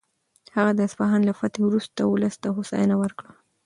هغه د اصفهان له فتحې وروسته ولس ته هوساینه ورکړه.